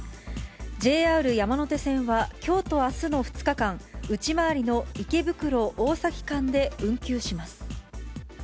ＪＲ山手線はきょうとあすの２日間、内回りの池袋・大崎間で運休します。